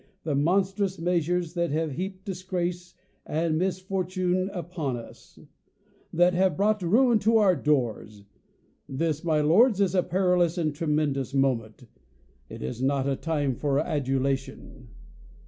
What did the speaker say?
the monstrous measures that have heap ed disgrace and misfortune upon us ; that have brought ruin to our doors. This, my lords, is a perilous and tremendous moment! It is not a time for adulation.